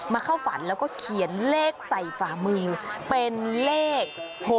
เข้าฝันแล้วก็เขียนเลขใส่ฝามือเป็นเลข๖๖